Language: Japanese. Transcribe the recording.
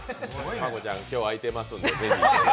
真子ちゃん、今日は空いてますので、ぜひ。